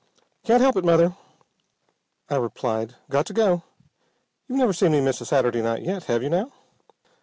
"Can't help it, Mother," I replied. "Got to go. You've never seen me miss a Saturday night yet, have you now?"